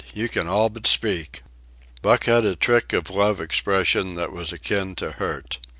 you can all but speak!" Buck had a trick of love expression that was akin to hurt.